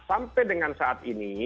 sampai dengan saat ini